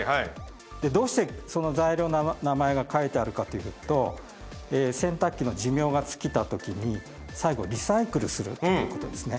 どうしてその材料の名前が書いてあるかというと洗濯機の寿命が尽きた時に最後リサイクルするっていうことですね。